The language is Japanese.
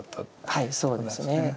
はいそうですね。